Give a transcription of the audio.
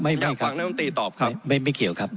ไม่ไม่ครับอยากฟังรัฐมนตรีตอบครับไม่ไม่เขียวครับ